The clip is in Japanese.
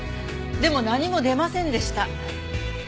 でも何も出ませんでした。